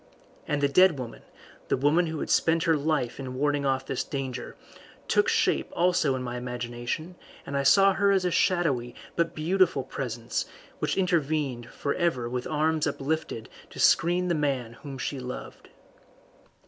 And the dead woman, the woman who had spent her life in warding off this danger, took shape also to my imagination, and I saw her as a shadowy but beautiful presence which intervened for ever with arms uplifted to screen the man whom she loved.